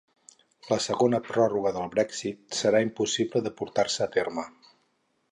La segona pròrroga del Brexit serà impossible de portar-se a terme